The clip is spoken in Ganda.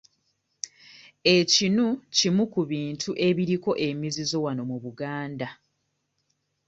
Ekinu kimu ku bintu ebiriko emizizo wano mu Buganda.